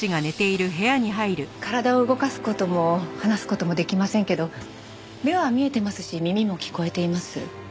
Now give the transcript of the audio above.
体を動かす事も話す事もできませんけど目は見えてますし耳も聞こえています。